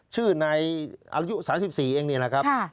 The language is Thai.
ชื่อนายอายุ๓๔เองนี่แหละครับ